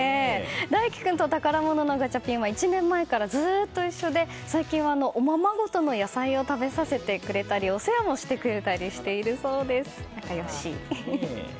大暉君と宝物のガチャピンは１年前からずっと一緒で最近はおままごとの野菜を食べさせてくれたり、お世話もしてくれたりしているそうです。